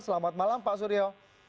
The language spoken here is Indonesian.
selamat malam pak suryo